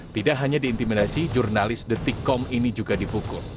tidak hanya diintimidasi jurnalis detik com ini juga dipukul